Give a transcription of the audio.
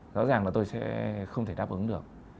rõ ràng là tôi sẽ không thể đáp ứng được